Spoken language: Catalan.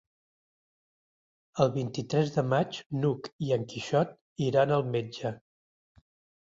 El vint-i-tres de maig n'Hug i en Quixot iran al metge.